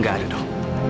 gak ada dok